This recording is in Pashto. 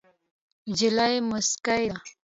نجلۍ موسکۍ ده.